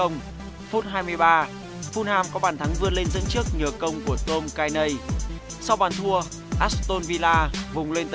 giữa fulham và aston villa